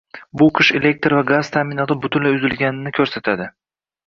Bu qish elektr va gaz ta'minoti butunlay uzilganini ko'rsatadi